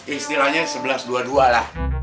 istilahnya sebelas dua puluh dua lah